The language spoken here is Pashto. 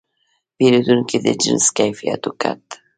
پیرودونکی د جنس کیفیت وکت.